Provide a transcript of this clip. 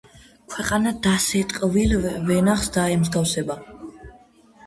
ქვეყანა დასეტყვილ ვენახს დაემსგავსა.